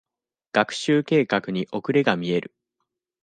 学習計画に遅れが見える。